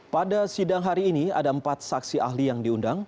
pada sidang hari ini ada empat saksi ahli yang diundang